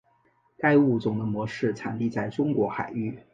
该物种的模式产地在中国海域。